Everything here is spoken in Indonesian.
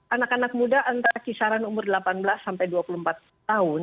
anak anak muda antara kisaran umur delapan belas sampai dua puluh empat tahun